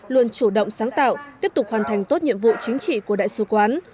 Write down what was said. luôn chủ động sáng tạo tiếp tục hoàn thành tốt nhiệm vụ chính trị của đại sứ quán